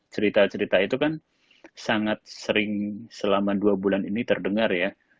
cerita cerita itu kan sangat sering selama dua bulan ini terdengar ya